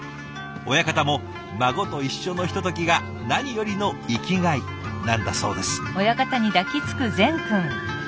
親方も孫と一緒のひとときが何よりの生きがいなんだそうです。